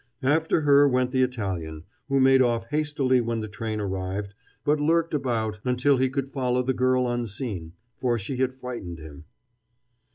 After her went the Italian, who made off hastily when the train arrived, but lurked about until he could follow the girl unseen, for she had frightened him.